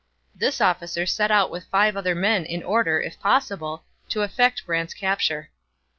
This officer set out with five other men in order, if possible, to effect Brant's capture.